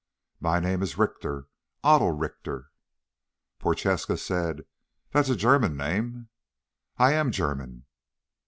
"My name is Richter. Otto Richter." Prochaska said, "That's a German name." "I am German."